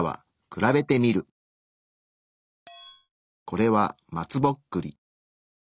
これは松ぼっくり。